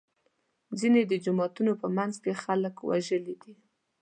ځینې د جوماتونو په منځ کې خلک وژلي دي.